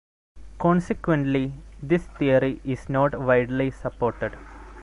Consequently, this theory is not widely supported.